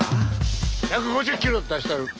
１５０キロ出したる。